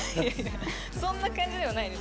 そんな感じではないです。